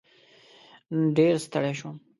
نن ډېر ستړی شوم.